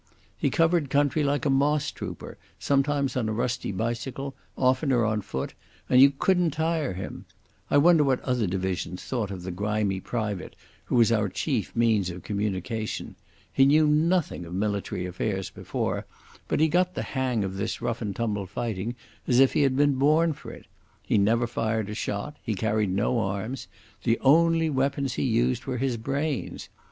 He covered country like a moss trooper, sometimes on a rusty bicycle, oftener on foot, and you couldn't tire him. I wonder what other divisions thought of the grimy private who was our chief means of communication. He knew nothing of military affairs before, but he got the hang of this rough and tumble fighting as if he had been born for it. He never fired a shot; he carried no arms; the only weapons he used were his brains.